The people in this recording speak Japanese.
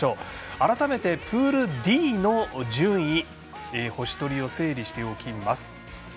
改めてプールＤの順位星取りを整理していきます。